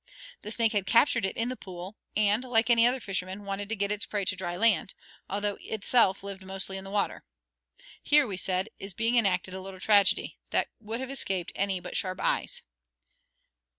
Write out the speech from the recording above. The snake had captured it in the pool, and, like any other fisherman, wanted to get its prey to dry land, although itself lived mostly in the water. Here, we said, is being enacted a little tragedy, that would have escaped any but sharp eyes.